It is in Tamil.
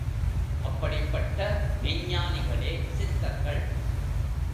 அப்படிப்பட்ட மெய்ஞ்ஞானிகளே சித்தர்கள்.